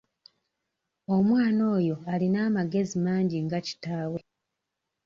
Omwana oyo alina amagezi mangi nga kitaawe.